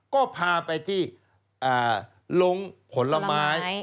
ก็พาไปที่ลงผลไม้